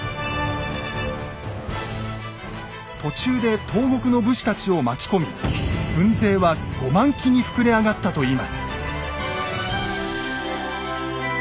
途中で東国の武士たちを巻き込み軍勢は５万騎に膨れ上がったといいます。